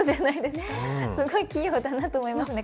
すごい器用だなと思いますね